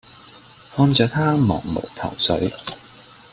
看著她茫無頭緒